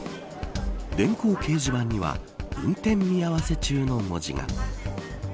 電光掲示板には運転見合わせ中の文字が。